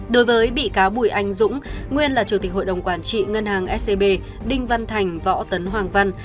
đối với bị cáo bùi anh dũng nguyên là chủ tịch hội đồng quản trị ngân hàng scb đinh văn thành võ tấn hoàng văn